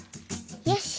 よし。